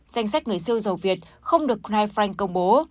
danh sách người siêu giàu việt không được knife frank công bố